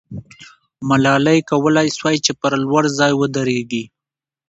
ملالۍ کولای سوای چې پر لوړ ځای ودریږي.